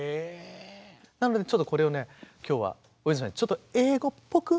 なのでちょっとこれをね今日は大泉さんにちょっと英語っぽく。